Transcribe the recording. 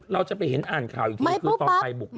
เราจะไปเห็นอ่านข่าวอีกทีคือตอนไปบุก